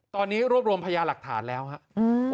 ตอนนี้รวบรวมพยาหลักฐานแล้วครับ